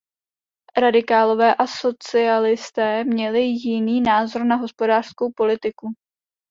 Radikálové a socialisté měli jiný názor na hospodářskou politiku.